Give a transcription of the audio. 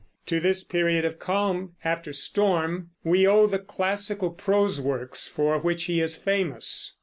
To this period of calm after storm we owe the classical prose works for which he is famous.